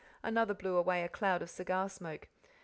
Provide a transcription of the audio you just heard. Another blew away a cloud of cigar smoke.